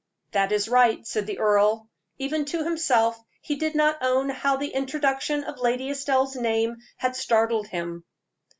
"That is right," said the earl. Even to himself he did not own how the introduction of Lady Estelle's name had startled him.